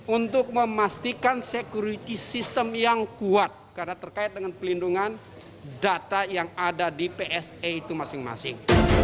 untuk memastikan security system yang kuat karena terkait dengan pelindungan data yang ada di pse itu masing masing